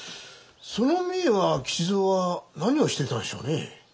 その前は吉蔵は何をしてたんでしょうね。